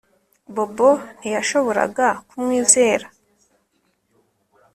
Bobo ntiyashoboraga kumwizera